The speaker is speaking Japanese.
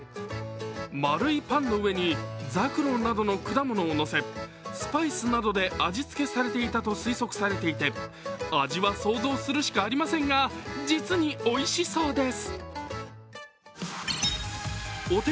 丸いパンの上にザクロなどの果物をのせ、スパイスなどで味付けされていたと推測されていて味は想像するしかありませんが実においしそうです。